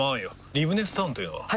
リブネスタウンというのは？